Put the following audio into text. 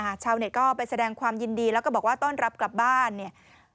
ชาวเน็ตก็ไปแสดงความยินดีแล้วก็บอกว่าต้อนรับกลับบ้านเนี่ย